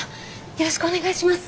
よろしくお願いします。